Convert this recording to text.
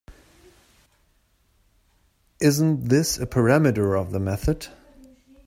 Isn’t this a parameter of the method?